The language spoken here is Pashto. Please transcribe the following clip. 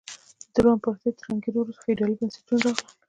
د روم امپراتورۍ تر ړنګېدو وروسته فیوډالي بنسټونه راغلل.